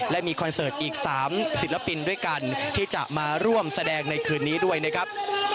และมีคอนเสิร์ตอีก๓ศิลปินด้วยกันที่จะมาร่วมแสดงในคืนนี้ด้วยนะครับ